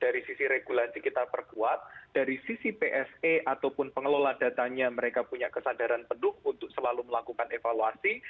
dari sisi regulasi kita perkuat dari sisi pse ataupun pengelola datanya mereka punya kesadaran penuh untuk selalu melakukan evaluasi